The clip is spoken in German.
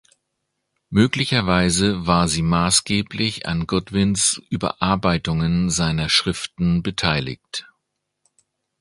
Möglicherweise war sie maßgeblich an Godwins Überarbeitungen seiner Schriften beteiligt.